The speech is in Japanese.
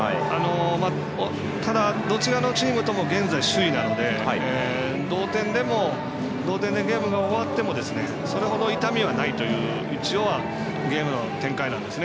ただ、どちらのチームとも現在、首位なので同点でゲームが終わってもそれほど痛みはないという一応はゲームの展開なんですね。